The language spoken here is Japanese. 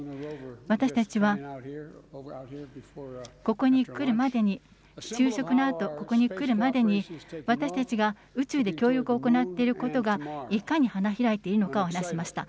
私たちはここに来るまでに、昼食のあと、ここに来るまでに、私たちが宇宙で協力を行っていることがいかに花開いているのかを話しました。